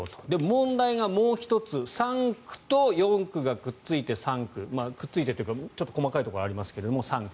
問題がもう１つ３区と４区がくっついて３区くっついてというか細かいところはありますが新３区。